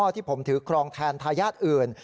ที่ผมถือครองแทนทายาทอื่น